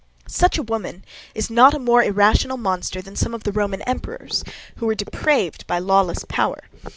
Such a woman is not a more irrational monster than some of the Roman emperors, who were depraved by lawless power.